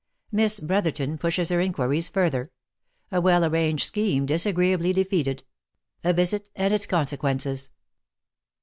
MISS BROTHERTON PUSHES fllER INQUIRIES FURTHER A WELL ARRANGED SCHEME DISAGREEABLY DEFEATED A VISIT, AND ITS CONSEQUENCES.